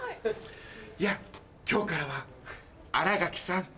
いや今日からは新垣さん。